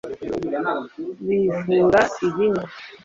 bivura ibinya